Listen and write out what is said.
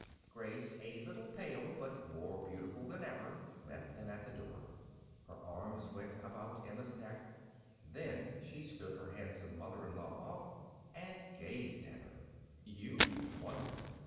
Grace, a little pale but more beautiful than ever, met them at the door. Her arms went about Emma's neck. Then she stood her handsome mother in law off and gazed at her. "You wonder!